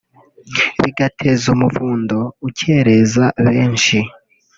bigateza umuvundo ukereza benshi